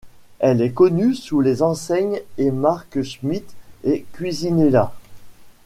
Elle est connue sous les enseignes et marques Schmidt et Cuisinella.